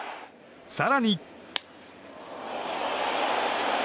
更に。